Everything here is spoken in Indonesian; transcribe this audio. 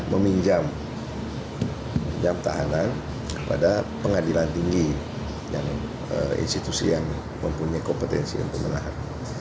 meminjam jam tahanan kepada pengadilan tinggi institusi yang mempunyai kompetensi untuk menahan